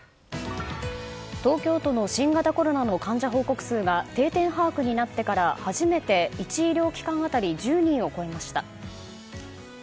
東京都の新型コロナの患者報告数が定点把握になってから初めて１医療機関当たり１０人を超えました。